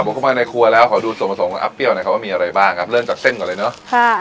ก็มาในครัวแล้วขอดูส่วนผสมเอาอัพเปรียวว่ามีอะไรบ้างเริ่มจากเส้นก่อนแน่เนาะ